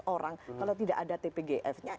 enam ratus orang kalau tidak ada tpgf nya